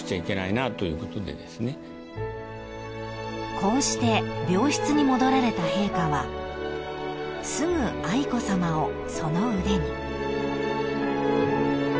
［こうして病室に戻られた陛下はすぐ愛子さまをその腕に］